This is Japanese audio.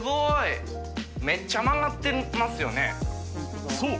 めっちゃ曲がってますよね。